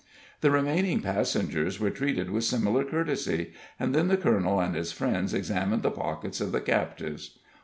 The remaining passengers were treated with similar courtesy, and then the colonel and his friends examined the pockets of the captives.